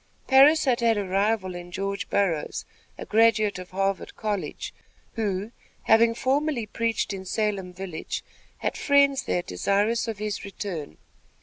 Parris had had a rival in George Burroughs, a graduate of Harvard College, who, having formerly preached in Salem village, had friends there desirous of his return.